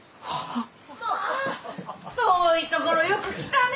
まあ遠いところよく来たね。